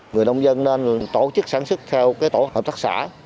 người nông dân nên tổ chức sản xuất theo tổ hợp tác xã